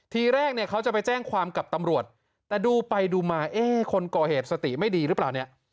ทีแรกเนี่ยเขาจะไปแจ้งความกับตำรวจแต่ดูไปดูมาเอ๊ะคนก่อเหตุสติไม่ดีหรือเปล่าเนี่ย